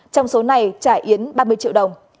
trong số này trả yến ba mươi triệu đồng